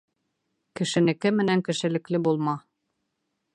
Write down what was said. Кешенеке менән кешелекле булма.